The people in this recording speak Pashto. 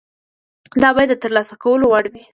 دا باید د ترلاسه کولو وړ وي.